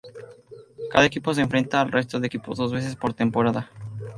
Cada equipo se enfrenta al resto de equipos dos veces por temporada.